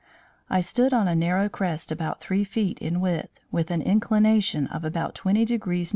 I stood on a narrow crest about three feet in width, with an inclination of about 20 degrees N.